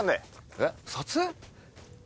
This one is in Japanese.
えっ撮影？